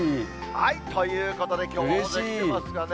ということで、きょうはみんなきてますがね。